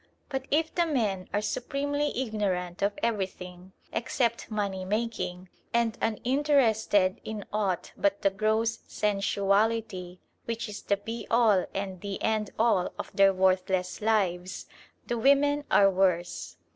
But if the men are supremely ignorant of everything except money making, and uninterested in aught but the gross sensuality which is the be all and the end all of their worthless lives, the women are worse.